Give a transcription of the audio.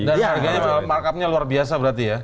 dan harganya markupnya luar biasa berarti ya